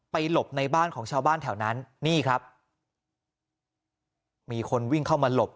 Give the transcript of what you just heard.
หลบในบ้านของชาวบ้านแถวนั้นนี่ครับมีคนวิ่งเข้ามาหลบ